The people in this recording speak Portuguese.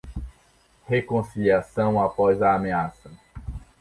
Reconciliação após a ameaça